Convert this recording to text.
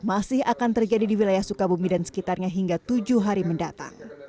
masih akan terjadi di wilayah sukabumi dan sekitarnya hingga tujuh hari mendatang